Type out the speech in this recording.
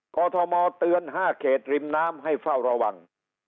กรทมเตือน๕เขตริมน้ำให้เฝ้าระวัง